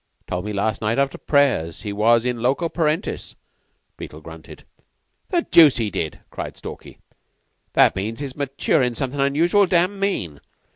'Told me last night after prayers that he was in loco parentis," Beetle grunted. "The deuce he did!" cried Stalky. "That means he's maturin' something unusual dam' mean.